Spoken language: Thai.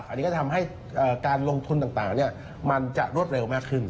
อันนี้ก็จะทำให้การลงทุนต่างมันจะรวดเร็วมากขึ้น